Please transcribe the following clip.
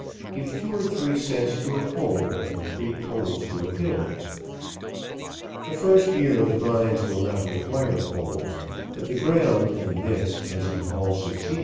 Give two or three sets to a pole, and three poles to a hill. The first year, the vines will not require poles, but the ground, in this, as in all succeed